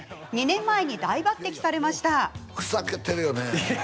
２年前に大抜てきされました。